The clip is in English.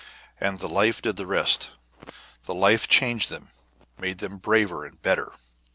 And the life did the rest. The life changed them, made them braver and better.